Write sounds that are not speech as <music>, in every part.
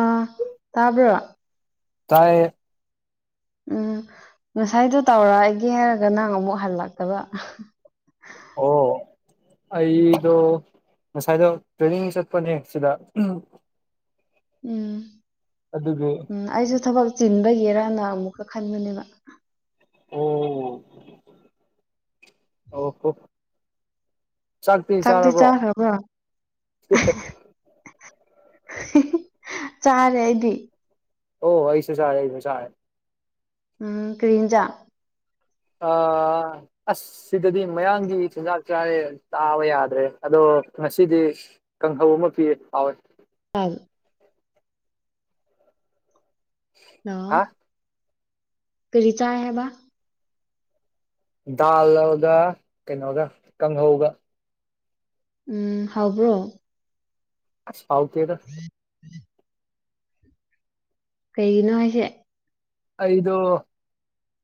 ꯑ ꯇꯥꯕ꯭ꯔ ꯇꯥꯏ ꯎꯝ ꯉꯁꯥꯏꯗꯨꯣ ꯇꯧꯔꯛꯑꯒꯦ ꯍꯥꯏꯔꯒ ꯅꯪ ꯑꯃꯨꯛ ꯍꯜꯂꯛꯇꯕ ꯑꯣ ꯑꯩꯗꯣ ꯉꯁꯥꯏꯗ ꯇ꯭ꯔꯦꯅꯤꯡ ꯆꯠꯄꯅꯦ ꯁꯤꯗ ꯎꯝ ꯑꯗꯨꯒꯤ ꯎꯝ ꯑꯩꯁꯨ ꯊꯕꯛ ꯆꯤꯟꯕꯒꯤꯔꯅ ꯑꯃꯨꯛ ꯈꯟꯕꯅꯦꯕ ꯎꯝ ꯑꯣ ꯍꯣ ꯆꯥꯛꯄꯤꯤ ꯆꯥꯛꯇꯤ ꯆꯥꯔꯕ꯭ꯔꯣ ꯆꯥꯈ꯭ꯔꯕ꯭ꯔꯣ ꯆꯥꯔꯦ ꯑꯩꯗꯤ ꯑꯣ ꯑꯩꯁꯨ ꯆꯥꯔꯦ ꯑꯩꯁꯨ ꯆꯥꯔꯦ ꯎꯝ ꯀ꯭ꯔꯤꯟꯖꯥ ꯑ ꯑꯁ ꯁꯤꯗꯗꯤ ꯃꯌꯥꯡꯒꯤ ꯆꯤꯟꯖꯥꯛ ꯆꯥꯦ ꯇꯥꯕ ꯌꯥꯗ꯭ꯔꯦ ꯑꯗꯣ ꯑꯣ ꯉꯁꯤꯗꯤ ꯀꯥꯡꯍꯧ ꯑꯃ ꯄꯤ ꯐꯥꯎꯋꯦ ꯑ ꯍꯥ ꯑ ꯀꯔꯤ ꯆ ꯍꯥꯏꯕ ꯗꯥꯜꯒ ꯀꯩꯅꯣꯒ ꯀꯥꯡꯍꯧꯒ ꯎꯝ ꯍꯥꯎꯕ꯭ꯔꯣ ꯐꯥꯎ ꯀꯗ ꯀꯩꯒꯤꯅꯣ ꯍꯥꯏꯁꯦ ꯑꯩꯗꯣ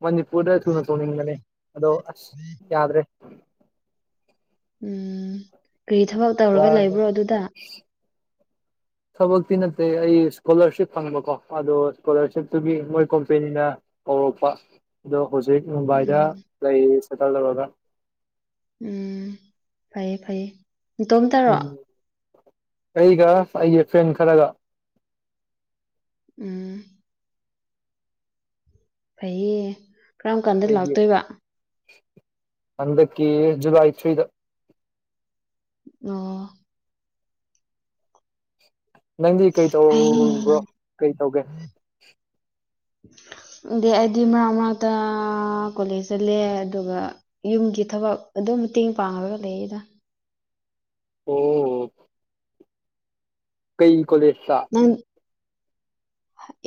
ꯃꯅꯤꯄꯨꯔꯗ ꯊꯨꯅ ꯇꯣꯡꯅꯤꯡꯕꯅꯦ ꯑꯗꯣ ꯑꯁ ꯌꯥꯗ꯭ꯔꯦ ꯎ ꯎꯝ ꯀꯔꯤ ꯊꯕꯛ ꯇꯧꯔꯒ ꯋꯥꯔꯦ ꯂꯩꯕ꯭ꯔꯣ ꯑꯗꯨꯗ ꯊꯕꯛꯇꯤ ꯅꯠꯇꯦ ꯑꯩ ꯏꯁꯀꯣꯂꯥꯔꯁꯤꯞ ꯐꯪꯕꯀꯣ ꯑꯗꯣ ꯏꯁꯀꯣꯂꯥꯔꯁꯤꯞꯇꯨꯒꯤ ꯃꯣꯏ ꯀꯣꯝꯄꯦꯅꯤꯅ ꯍꯧꯧꯔꯛꯄ ꯑꯗꯣ ꯍꯧꯖꯤꯛ ꯃꯨꯝꯕꯥꯏꯗ ꯎꯝ ꯂꯩꯔꯤ ꯁꯦꯇꯜ ꯇꯧꯔꯒ ꯎꯝ ꯐꯩꯌꯦ ꯐꯩꯌꯦ ꯇꯣꯝ ꯇꯔꯣ ꯎꯝ ꯑꯩꯒ ꯑꯩꯒꯤ ꯐ꯭ꯔꯦꯟ ꯈꯔꯒ ꯎꯝ ꯐꯩꯌꯦ ꯀꯔꯝ ꯀꯥꯟꯗ ꯂꯥꯛꯇꯣꯏꯕ ꯑꯗꯀꯤ ꯖꯨꯂꯥꯏ ꯊ꯭ꯔꯤꯗ ꯑꯣ ꯅꯪꯗꯤ ꯀꯩ ꯑꯩ ꯇꯧꯕ꯭ꯔꯣ ꯀꯩ ꯇꯧꯒꯦ <inaudible> ꯑꯩꯗꯤ ꯃꯛ ꯃꯔꯛꯇ ꯀꯣꯂꯦꯖ ꯆꯠꯂꯦ ꯑꯗꯨꯒ ꯌꯨꯝꯒꯤ ꯊꯕꯛ ꯃ ꯇꯤꯉ ꯄꯥꯉꯒ ꯂꯩꯗ ꯑꯣ ꯀꯩ ꯀꯣꯂꯦꯖꯇ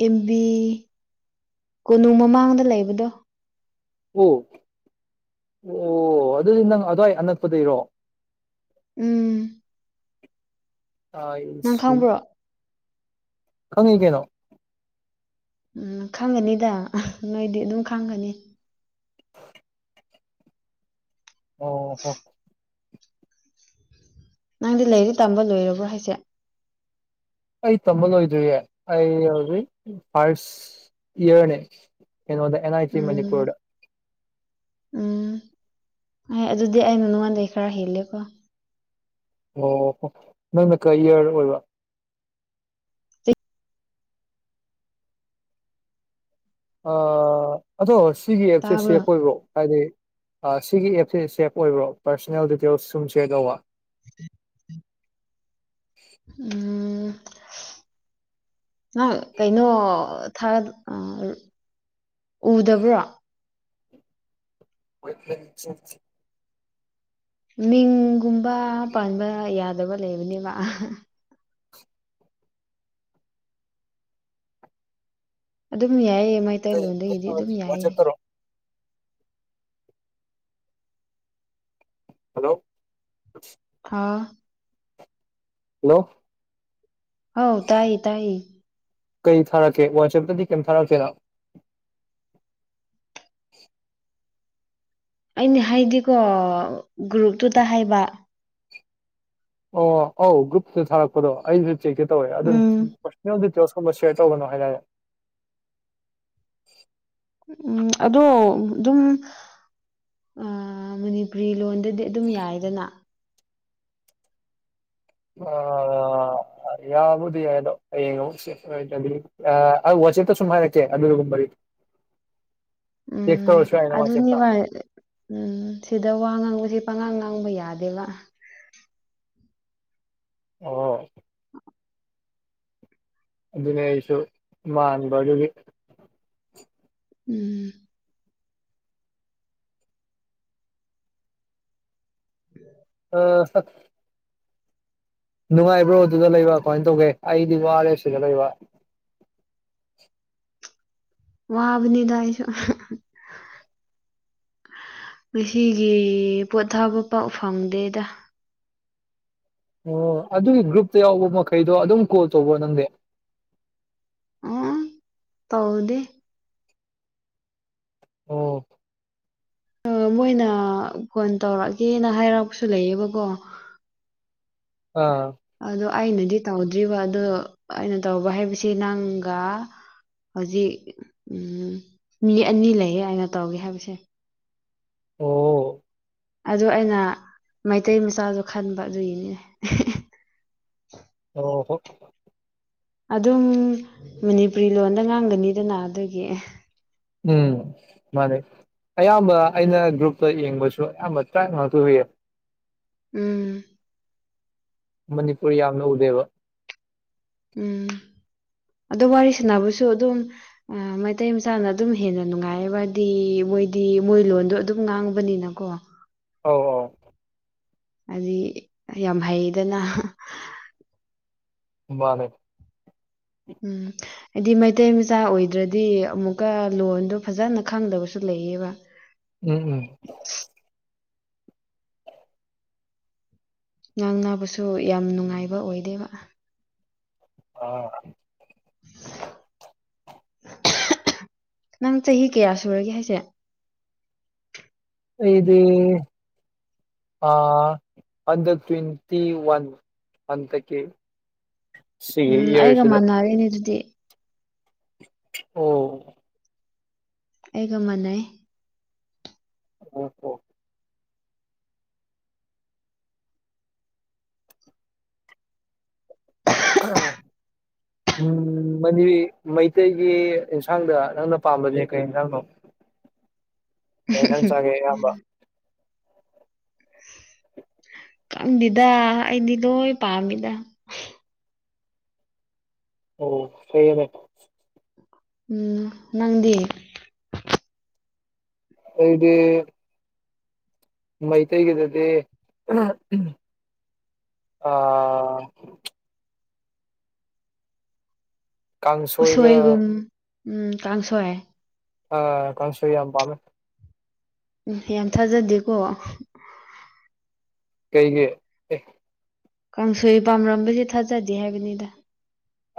ꯏꯦꯝꯕꯤ ꯀꯣꯅꯨ ꯃꯃꯥꯡꯗ ꯂꯩꯕꯗꯣ ꯑꯣ ꯑꯣ ꯑꯗꯨꯗꯤ ꯅꯪ ꯑꯗꯨ꯭ꯋꯥꯏ ꯑꯅꯛꯄꯗꯩꯔꯣ ꯎꯝ ꯅꯪ ꯇꯥꯥꯏꯁ ꯈꯪꯕ꯭ꯔꯣ ꯈꯪꯉꯤ ꯀꯦꯩꯅꯣ ꯎꯝ ꯈꯪꯒꯅꯤꯗ ꯅꯣꯏꯗꯤ ꯑꯗꯨꯝ ꯈꯪꯒꯅꯤ ꯑꯣ ꯍꯣ ꯅꯪꯗꯤ ꯂꯩꯔꯤ ꯇꯝꯕ ꯂꯣꯏꯔꯕ꯭ꯔꯣ ꯍꯥꯏꯁꯦ ꯑꯩ ꯇꯝꯕꯜꯣ ꯑꯣꯏꯣꯏꯗꯣꯏꯔꯤꯦ ꯑ ꯌꯥꯎꯔꯤ ꯐꯥꯜꯁ ꯑꯦꯔꯅꯦ ꯩꯅꯣꯗ ꯑꯦꯟ ꯁꯤ ꯃꯅꯤ ꯎꯝ ꯀꯨꯔꯣ ꯎꯝ ꯍꯣꯏ ꯑꯗꯨꯗꯤ ꯑꯩꯅ ꯅꯣꯡꯉꯣꯟꯗꯒꯤꯩ ꯈꯔ ꯍꯦꯜꯂꯦꯀꯣ ꯑꯣ ꯅꯣꯏꯅꯀ ꯏꯌꯥꯔ ꯑꯣꯏꯕ ꯑ ꯑꯗꯣ ꯁꯤꯒꯤ ꯑꯦꯞꯁꯦ ꯁꯦꯛ ꯇꯥꯕ꯭ꯔꯣ ꯑꯣꯏꯕ꯭ꯔꯣ ꯍꯥꯏꯗꯤ ꯁꯤꯒꯤ ꯑꯦꯞꯁꯦ ꯁꯦꯞ ꯑꯣꯏꯕ꯭ꯔꯣ ꯄꯥꯔꯁꯣꯅꯦꯜ ꯗꯤꯇꯦꯜꯁ ꯁꯨꯝ ꯁꯦꯌꯔ ꯇꯧꯕ ꯝ ꯎꯝ ꯑ ꯀꯩꯅꯣ ꯊꯔ ꯑ ꯎꯗꯕ꯭ꯔꯣ ꯣꯏ ꯆ ꯃꯤꯡꯒꯨꯝꯕ ꯄꯥꯟꯕ ꯌꯥꯗꯕ ꯂꯩꯕꯅꯦꯕ ꯑꯗꯨꯝ ꯌꯥꯏꯑ ꯃꯩꯇꯩꯂꯣꯟꯜꯗꯒꯤꯗꯤ ꯑꯗꯨꯝ ꯌꯥꯏꯑ ꯋꯥꯆꯦꯞꯇꯔꯣ ꯍꯜꯂꯣ ꯑꯥ ꯍꯜꯂꯣ ꯍꯧ ꯇꯥꯏ ꯇꯥꯏ ꯀꯩ ꯊꯥꯔꯛꯀꯦ ꯋꯥꯆꯦꯞꯇꯗꯤ ꯀꯩꯝ ꯊꯥꯔꯛꯀꯦꯗ ꯑꯩꯅ ꯍꯥꯏꯗꯤꯀꯣ ꯒ꯭ꯔꯨꯞꯇꯨꯗ ꯍꯥꯏꯕ ꯑꯣ ꯑꯣ ꯒꯨꯞ ꯊ ꯍꯥꯔꯛꯄꯗꯣ ꯑꯩꯁꯨ ꯆꯦꯛ ꯀꯦ ꯇꯧꯋꯦ ꯎꯝ ꯑꯗꯨꯁ ꯆ ꯀꯝꯕ ꯁꯔ ꯇꯧꯕꯅꯣ ꯍꯥꯏꯇꯥꯔꯦ ꯎꯝ ꯑꯗꯣ ꯑꯗꯨꯝ ꯑ ꯃꯅꯤꯄꯨꯔꯤ ꯂꯣꯟꯗꯗꯤ ꯑꯗꯨꯝ ꯌꯥꯏꯗꯅ ꯑ ꯌꯥꯕꯗꯤ ꯌꯥꯗꯣꯉ ꯦ ꯁꯨꯃꯥꯏꯔꯦ ꯀꯦ ꯑꯗꯨꯒꯨꯝꯕꯔꯤ ꯎꯝ ꯑꯗꯨꯅꯤ ꯋꯥꯆꯦꯞꯇ ꯎꯝ ꯁꯤꯗ ꯋꯥ ꯉꯥꯡ ꯄꯉꯥꯡ ꯉꯥꯡꯕ ꯌꯥꯗꯦꯕ ꯑꯣ ꯑꯗꯨꯅꯦꯁꯨ ꯃꯥꯟꯕꯥꯟꯕꯒꯤ ꯎꯝ ꯎꯝ ꯑꯥ ꯁ ꯅꯨꯡꯉꯥꯏꯕ꯭ꯔꯣ ꯑꯗꯨꯗ ꯂꯩꯕ ꯀꯃꯥꯏꯅ ꯇꯧꯒꯦ ꯑꯩꯗꯤ ꯋꯥ ꯑꯥꯔ ꯑꯦꯐ ꯁꯤꯗ ꯂꯩꯕ ꯋꯥꯕꯅꯤꯗꯥꯥꯏꯁꯨ ꯉꯁꯤꯒꯤ ꯄꯣꯊꯥꯕ ꯄꯥꯎ ꯐꯪꯗꯦꯗ ꯑꯣ ꯑꯗꯨꯒꯤ ꯒ꯭ꯔꯨꯞꯇ ꯌꯥꯎꯕ ꯃꯈꯩꯗꯣ ꯑꯗꯨꯝ ꯀꯣꯜ ꯇꯧꯕꯣ ꯅꯪꯗ ꯑ ꯇꯧꯗꯦ ꯑꯣ ꯃꯣꯏꯅ ꯐꯣꯟ ꯇꯧꯔꯛꯑꯒꯦꯅ ꯍꯥꯏꯔꯛꯄꯁꯨ ꯂꯩꯌꯦꯕꯀꯣ <unintelligible> ꯑꯥ ꯑꯗꯣ ꯑꯩꯅꯗꯤ ꯇꯧꯗ꯭ꯔꯤꯕ ꯑꯗ ꯑꯩꯅ ꯇꯧꯕ ꯍꯥꯏꯕꯁꯤ ꯅꯪꯒ ꯍꯧꯖꯤꯛ ꯎꯝ ꯃꯤ ꯑꯅꯤ ꯂꯩꯌꯦ ꯍꯥꯏꯅ ꯇꯧꯒꯦ ꯍꯥꯏꯕꯁꯦ ꯑꯣ ꯑꯗꯨ ꯑꯩꯅ ꯃꯩꯇꯩ ꯃꯆꯥꯗꯣ ꯈꯟꯕ ꯑꯗꯨꯏꯅꯤꯅꯦ ꯑꯣ ꯍ ꯑꯗꯨꯝ ꯃꯅꯤꯄꯨꯔꯤ ꯂꯣꯟꯗ ꯉꯥꯡꯒꯅꯤꯗꯅ ꯑꯗꯨꯒꯤ ꯎꯝ ꯃꯥꯅꯤ ꯑꯌꯥꯝꯕ ꯑꯩꯅ ꯒ꯭ꯔꯨꯞꯇ ꯌꯦꯡꯕꯁꯨ ꯑꯌꯥꯝꯕ ꯇ꯭ꯔꯥ ꯉꯥꯛꯇ ꯍꯨꯏꯌꯦ ꯎꯝ ꯃꯅꯤꯄꯨꯔ ꯌꯥꯝꯅ ꯎꯗꯦꯕ ꯎꯝ ꯑꯗꯣ ꯋꯥꯔꯤ ꯁꯥꯟꯅꯕꯁꯨ ꯑꯗꯨꯝ ꯃꯩꯇꯩ ꯃꯆꯥꯅ ꯑꯗꯨꯝ ꯍꯦꯟꯅ ꯅꯨꯡꯉꯥꯏꯕꯗꯤ ꯃꯣꯏꯗꯤ ꯃꯣꯏ ꯂꯣꯟꯗꯣ ꯑꯗꯨꯝ ꯉꯥꯡꯕꯅꯤꯅꯀꯣ ꯑꯣ ꯍꯥꯏ ꯌꯥꯝ ꯍꯩꯗꯅ ꯃꯥꯅꯦ ꯎꯝ ꯍꯥꯏꯗꯤ ꯃꯩꯇꯩ ꯃꯆꯥ ꯑꯣꯏꯗ꯭ꯔꯗꯤ ꯑꯃꯨꯛꯀ ꯂꯣꯟꯗꯣ ꯐꯖꯅ ꯈꯪꯗꯕꯁꯨ ꯂꯩ <unintelligible> <inaudible> ꯎꯝ ꯎꯝ ꯉꯥꯡꯅꯕꯁꯨ ꯌꯥꯝ ꯅꯨꯡꯉꯥꯏꯕ ꯑꯣꯏꯗꯦꯕ ꯑꯥ <unintelligible> <inaudible> ꯅꯪ ꯆꯍꯤ ꯀꯌꯥ ꯁꯨꯔꯒꯦ ꯍꯥꯏꯁꯦ ꯏꯗꯤ ꯑ ꯑꯗ ꯀ꯭ꯋꯦꯟꯇꯤ ꯋꯥꯟ ꯑꯗ ꯀꯦ ꯁꯤꯒꯤ ꯎꯝ ꯑꯩꯒ ꯏꯌꯥꯔꯁꯤꯗ ꯃꯥꯟꯅꯔꯦꯅꯦ ꯑꯗꯨꯗꯤ ꯑꯣ ꯑꯩꯒ ꯃꯅ ꯑꯣ ꯍꯣ ꯑꯝ ꯎꯝ ꯃꯅꯤ ꯃꯩꯇꯩꯒꯤ ꯑꯦꯟꯁꯥꯡꯗ ꯅꯪꯅ ꯄꯥꯝꯕꯅꯦꯦ ꯀꯩ ꯌꯦꯟꯁꯥꯡꯅꯣ <unintelligible> ꯀ ꯊꯪ ꯆꯥꯒꯦ ꯌꯥꯝꯕ ꯀꯪꯗꯗ ꯑꯩꯗꯤ ꯂꯣꯏ ꯄꯥꯝꯃꯤꯗ ꯑꯣ ꯐꯩꯅꯦ ꯎꯝ ꯅꯪꯗꯤ ꯑꯩꯗꯤ ꯃꯩꯇꯩ ꯀꯗꯗꯤ ꯑꯥ ꯀꯥꯡꯁꯣꯏꯒ ꯎꯁꯣꯏꯒꯨꯝ ꯎꯝ ꯀꯥꯡꯁꯦ ꯑ ꯀꯟ ꯁ ꯌꯥꯝ ꯄꯥꯃꯦ ꯎꯝ ꯌꯥꯝ ꯊꯥꯖꯗꯦꯀꯣ ꯀꯩꯒꯤ ꯀꯥꯡꯁꯣꯏ ꯄꯥꯝꯔꯝꯕꯁ ꯊꯥꯖꯗꯦ ꯍꯥꯏꯕꯅꯤꯗ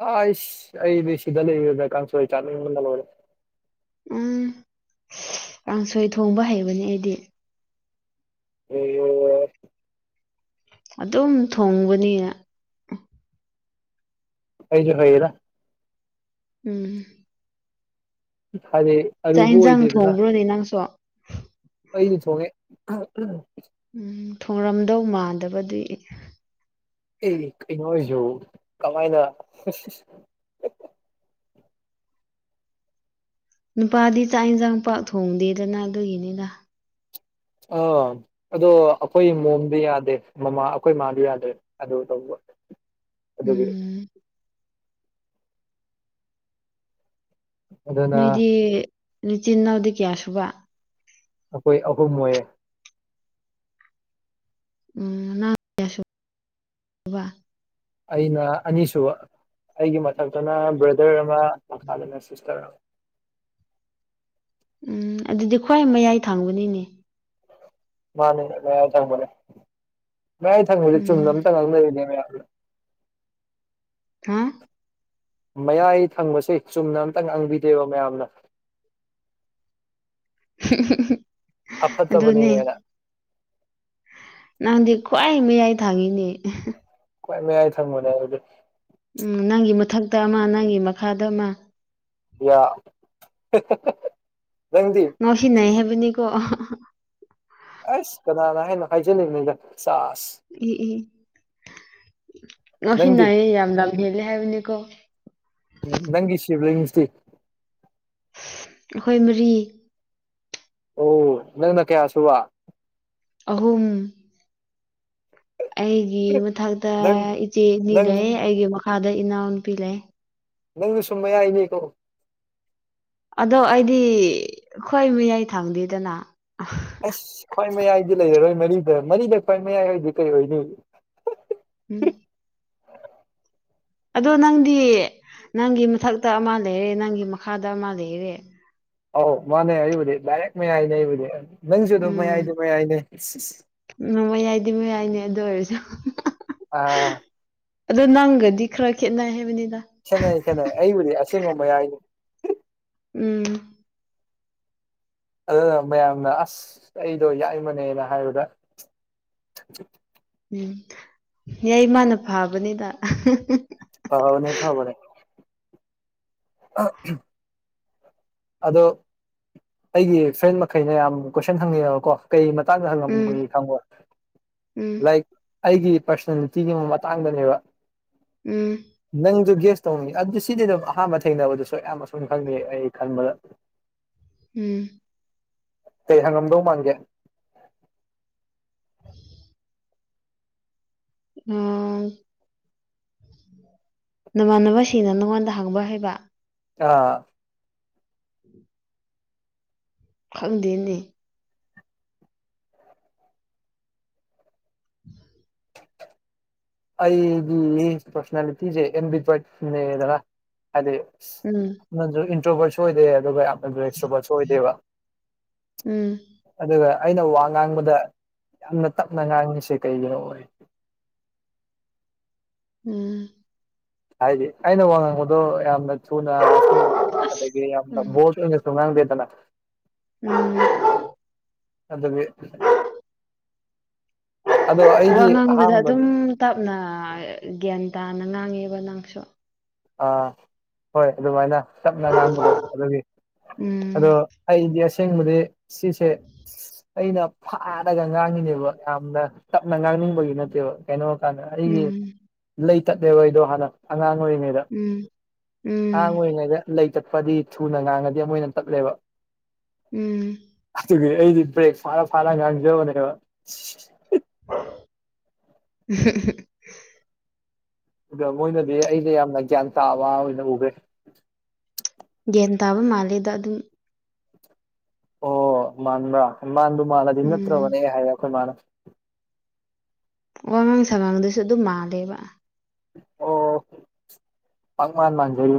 ꯑ ꯏꯁ ꯑꯩꯗꯤ ꯁꯤꯗ ꯂꯩ ꯀꯁꯨ ꯆꯗꯔꯦ ꯎꯝ ꯀꯥꯡꯁꯣꯏ ꯊꯣꯡꯕ ꯍꯩꯕꯅꯦ ꯑꯩꯗꯤ ꯑꯣ ꯑꯗꯨꯝ ꯊꯣꯡꯕꯅꯤꯅ ꯑꯩꯁꯨꯣ ꯍꯣꯏꯔ ꯎꯝ ꯍꯥꯏꯗꯤ ꯆꯥꯛ ꯑꯔꯨꯕ ꯌꯦꯟꯁꯥꯡ ꯑꯣꯏꯗꯦꯗꯅ ꯊꯣꯡꯕ꯭ꯔꯣꯗꯤ ꯅꯪꯁꯨ ꯑꯩꯗꯤ ꯊꯣꯡꯉꯦ ꯎꯝ ꯊꯣꯡꯔꯝꯗꯧ ꯃꯥꯟꯗꯕꯗꯤ ꯑꯦ ꯀꯩꯅꯣꯁꯨ ꯀꯃꯥꯏꯅ ꯅꯨꯄꯥꯗꯤ ꯆꯥꯛ ꯌꯦꯟꯁꯥꯡ ꯄꯥꯛ ꯊꯣꯡꯗꯦꯗꯅ ꯑꯗꯨꯒꯤꯅꯤꯗ ꯑꯥ ꯑꯗꯣ ꯑꯩꯈꯣꯏ ꯏ ꯃꯣꯝꯗꯤ ꯌꯥꯗꯦ ꯃꯃꯥ ꯑꯩꯈꯣꯏ ꯏꯃꯥꯗꯤ ꯌꯥꯗꯦ ꯑꯗꯨ ꯇꯧꯕ <unintelligible> ꯑꯗꯨꯒꯤ ꯎꯝ ꯑꯗꯨꯅ ꯅꯣꯏꯗꯤ ꯅꯆꯤꯟ ꯏꯅꯥꯎꯗꯤ ꯀꯌꯥ ꯁꯨꯕ ꯑꯩꯈꯣꯏ ꯑꯍꯨꯝ ꯑꯣꯏꯌꯦꯦ ꯎꯝꯁꯕꯥ ꯑꯩꯅ ꯑꯅꯤꯁꯨꯕ ꯑꯩꯒꯤ ꯃꯊꯛꯇꯅ ꯕ꯭ꯔꯗꯔ ꯃꯈ ꯈ ꯁꯁꯇꯔ ꯎꯝ ꯑꯗꯨꯗꯤ ꯈ꯭ꯋꯥꯏ ꯃꯌꯥꯏ ꯊꯥꯡꯕꯅꯤꯅꯦ ꯃꯥꯅꯦ ꯃꯌꯥꯏ ꯊꯪꯕꯅꯦ ꯃꯌꯥꯏ ꯊꯪꯕꯁꯦ ꯆꯨꯝꯅ ꯎꯝ ꯑꯝꯇ ꯉꯥꯡꯗꯔꯤꯅꯦ ꯃꯌꯥ <unintelligible> ꯍꯥꯥ ꯃꯌꯥꯏ ꯊꯪꯕꯁꯦ ꯆꯨꯝꯅ ꯑꯝꯇꯪ ꯉꯥꯡꯕꯤꯗꯦꯕ ꯃꯌꯥꯝꯅ <unintelligible> ꯑꯗꯨꯅꯦ ꯑꯐꯠꯇꯕꯅꯤꯒꯔ ꯅꯪꯗꯤ ꯈ꯭ꯋꯥꯏ ꯃꯌꯥꯏ ꯊꯥꯡꯉꯤꯅꯦ ꯀꯣꯏ ꯃ ꯌꯥꯏ ꯊꯪꯕꯅꯦ ꯍꯧ ꯎꯝ ꯅꯪꯒꯤ ꯃꯊꯛꯇ ꯑꯃ ꯅꯪꯒꯤ ꯃꯈꯥꯗ ꯑꯃ ꯌꯥ ꯅꯪꯗꯤ ꯃꯁꯤ ꯅꯥꯏ ꯍꯥꯏꯦꯕꯅꯤ ꯀꯣ ꯑꯁ ꯀꯅꯥꯅ ꯍꯥꯏꯅ ꯍꯥꯏꯖꯅꯤꯡꯉꯅꯤꯗ ꯆꯥꯁ ꯑ ꯅꯪꯗꯤ ꯍꯅꯑ ꯌꯥꯝ ꯂꯝ ꯍꯦꯜꯂ ꯍꯥꯏꯕꯅꯤꯀꯣ ꯎꯝ ꯅꯪꯒꯤꯁꯤꯕꯁꯇꯤ ꯍꯈꯣꯏ ꯃꯔꯤ ꯑꯣ ꯅꯪꯅ ꯀꯌꯥ ꯁꯨꯕ ꯑꯍꯨꯝ ꯑꯩꯒꯤ ꯃꯊꯛꯇ ꯅꯪ ꯏꯆꯦ ꯏꯅꯤ ꯅꯪ ꯂꯩ ꯑꯩꯒꯤ ꯃꯈꯥꯗ ꯏ ꯑꯣꯟꯄꯤꯂꯦ ꯅꯪꯁꯨ ꯁꯨꯝ ꯃ ꯌꯥꯏꯅꯦꯀꯣ ꯑꯗꯣ ꯑꯩꯗꯤ ꯑꯣꯏ ꯃꯤꯌꯥꯏ ꯊꯥꯡꯗꯦꯗꯅ ꯑꯁ ꯈ꯭ꯋꯥꯏ ꯃꯌꯥꯏꯗꯤ ꯂꯩꯔꯔꯣꯏ ꯃꯔꯤꯗ ꯃꯔꯤꯗ ꯈ꯭ꯋꯥꯏ ꯃꯌꯥꯏ ꯍꯥꯏꯗꯤ ꯀꯩ ꯑꯣꯏꯅꯤ ꯎꯝ ꯑꯗꯣ ꯅꯪꯗꯤ ꯅꯪꯒꯤ ꯃꯊꯛꯇ ꯑꯃ ꯂꯩꯔꯦ ꯅꯪꯒꯤ ꯃꯈꯥꯗ ꯑꯃ ꯂꯩꯔꯦ ꯑꯧ ꯃꯅꯦ ꯑꯕꯨ ꯔꯦꯛ ꯃ ꯍꯥꯏꯅꯦ ꯏꯕꯗꯤ ꯂꯪꯖꯗ ꯎꯝ ꯃꯌꯥꯏꯗꯦ ꯃꯌꯥꯏꯗꯦ ꯗꯤ ꯃ ꯌꯥꯏꯅꯦ ꯑꯗꯨ ꯑꯣꯏꯔꯁꯨ ꯑꯥ ꯑꯗꯣ ꯅꯪꯒꯗꯤ ꯈꯔ ꯈꯦꯠꯅꯩ ꯍꯥꯏꯕꯅꯤ ꯈꯦꯠꯅꯩ ꯈꯦꯠꯅꯩ ꯑꯩꯕꯨꯗꯤ ꯑꯁꯦꯡꯕ ꯃꯌꯥꯏꯅꯤ ꯎꯝ ꯑꯗꯨꯅ ꯃꯌꯥꯝꯅ ꯑꯁ ꯑꯩꯗꯣ ꯌꯥꯏꯃꯅꯦꯅ ꯍꯥꯏꯕꯗ <unintelligible> ꯎꯝ ꯌꯥꯏ ꯃꯥꯅ ꯐꯕꯅꯤꯗ ꯍꯥꯎꯥꯎ ꯅ ꯊꯕꯔꯦ ꯑꯗꯣ ꯑꯩꯒꯤ ꯐ꯭ꯔꯦꯟ ꯃꯈꯩꯅ ꯌꯥꯝ ꯀꯣꯏꯁꯟ ꯍꯪꯅꯤꯡꯉꯦꯕꯀꯣ ꯀꯩ ꯞ ꯆꯥꯡꯖꯍꯜꯂꯝ ꯃ ꯎꯝ ꯈꯪꯕ ꯎꯝ ꯂꯥꯏꯛ ꯑꯩꯒꯤ ꯄꯥꯔꯁꯅꯦꯜꯂꯤꯇꯤꯒꯤ ꯃꯇꯥꯡꯗꯅꯦꯕ ꯎꯝ ꯅꯪꯁꯨ ꯒꯦꯁ ꯇꯧꯉ ꯑꯗꯨ ꯁꯤꯗꯤ ꯑꯗꯨꯝ ꯑꯍꯥꯟꯕ ꯊꯦꯡꯅꯕꯗꯁꯨ ꯌꯥꯝꯌꯥꯝ ꯑꯁꯨꯝ ꯈꯪꯅꯩ ꯑꯩ ꯈꯟꯕꯗ ꯎꯝ ꯀꯩ ꯍꯪꯉꯝꯗꯧ ꯃꯥꯡꯒꯦ ꯎꯝ ꯅꯃꯥꯟꯅꯕꯁꯤꯅ ꯅꯪꯉꯣꯟꯗ ꯍꯥꯡꯕ ꯍꯥꯏꯕ ꯑꯥ ꯈꯪꯗꯦꯅꯦ ꯎꯝ ꯑꯩꯒꯤ ꯄꯔꯁꯅꯥꯂꯤꯇꯤꯁꯦ ꯑꯦꯝ ꯄꯠꯅꯦꯗ꯭ꯔ ꯍꯥꯏꯗꯤ ꯎꯝ ꯅꯪꯁꯨ ꯏꯟꯇ꯭ꯔꯣꯕꯔꯁꯨ ꯑꯣꯏꯗꯦ ꯑꯗꯨꯒ ꯌꯥꯝ ꯑꯗꯨ ꯑꯦꯛꯁꯇ꯭ꯔꯣꯄꯥꯁꯨ ꯑꯣꯏꯗꯦꯕ ꯎꯝ ꯑꯗꯨꯒ ꯑꯩꯅ ꯋꯥ ꯉꯥꯡꯕꯗ ꯌꯥꯝꯅ ꯇꯞꯅ ꯉꯥꯡꯉꯤꯁꯦ ꯀꯩꯒꯤꯅꯣ ꯑꯣꯏ ꯎꯝ ꯍꯥꯏꯗꯤ ꯑꯩꯅ ꯋꯥ ꯉꯥꯡꯕꯗꯣ ꯌꯥꯝꯅ ꯊꯨꯅꯁꯨ ꯑꯗꯒꯤ ꯌꯥꯝꯅ ꯎꯝ ꯕꯣ ꯇꯨꯡꯉꯥꯡꯥꯡꯗꯦꯗꯅ ꯎꯝ ꯑꯗꯗꯒꯤ ꯋꯥ ꯉꯥꯡꯕꯗ ꯑꯗꯨꯝ ꯇꯞꯅ ꯒ꯭ꯌꯥꯟ ꯇꯥꯅ ꯉꯥꯡꯉꯦꯕ ꯅꯪ ꯑꯥ ꯑꯥ ꯍꯣꯏ ꯑꯗꯨꯃꯥꯏꯅ ꯆꯞꯅ ꯉꯥꯡꯕꯗꯣ ꯑꯗꯨꯒꯤ ꯑꯗꯣ ꯎꯝ ꯑꯩꯗꯤ ꯑꯁꯦꯡꯕꯗꯤ ꯁꯤꯁꯦ ꯑꯩꯅ ꯐꯥꯔꯒ ꯉꯥꯡꯉꯤꯅꯦꯕ ꯌꯥꯝꯅ ꯇꯞꯅ ꯉꯥꯡꯉ ꯈꯕꯒꯤ ꯅꯠꯇꯦꯕ ꯀꯩꯅꯣ ꯍꯥꯏ ꯀꯥꯟꯗ ꯑꯩꯒꯤ ꯎꯝ ꯂꯩ ꯇꯠꯅꯦꯦꯕ ꯑꯩꯗꯣ ꯍꯥꯟꯅ ꯑꯉꯥꯡ ꯑꯣꯏꯔꯤꯉꯩ ꯑꯉꯥꯡ ꯎꯝ ꯎꯝ ꯑꯣꯏꯔꯤꯉꯩꯗ ꯂꯩ ꯆꯠꯄꯗꯤ ꯊꯨꯅ ꯉꯥꯡꯉꯗꯤ ꯑꯃ ꯑꯣꯏꯅ ꯇꯠꯂꯦꯕ ꯎꯝ ꯑꯗꯨꯒꯤ ꯑꯩꯗꯤ ꯕ꯭ꯔꯦꯛ ꯐꯥꯔ ꯐꯥꯅ ꯉꯥꯡꯖꯕꯅꯦꯕ <unintelligible> ꯑꯗ ꯃꯣꯏꯅꯗꯤ ꯑꯩꯗꯤ ꯌꯥꯝꯅ ꯒ꯭ꯌꯥꯟ ꯇꯥꯕ ꯑꯣꯏꯅ ꯎꯈ꯭ꯔꯦ ꯒ꯭ꯌꯥꯟ ꯇꯥꯕ ꯃꯥꯜꯂꯦꯗ ꯑꯗꯨꯝ ꯑꯣ ꯃꯥꯟꯕ꯭ꯔꯥ ꯃꯥꯟꯗꯨ ꯃꯥꯜꯂꯗꯤ ꯎꯝ ꯅꯠꯇ꯭ꯔꯕꯅꯦ ꯍꯥꯏꯌꯦ ꯑꯩꯈꯣꯏ ꯃꯥꯅ ꯋꯥꯉꯥꯡ ꯁꯥꯉꯥꯡꯗꯨꯁꯨ ꯑꯗꯨꯝ ꯃꯥꯜꯂꯦꯕ ꯑꯣ ꯄ ꯃꯥ ꯃꯥꯟꯖꯔꯤ